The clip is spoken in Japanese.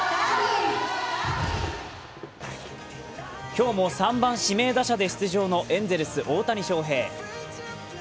今日も３番指名打者で出場のエンゼルス・大谷翔平。